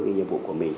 cái nhiệm vụ của mình